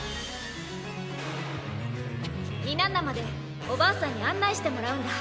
ニナンナまでおばあさんに案内してもらうんだ。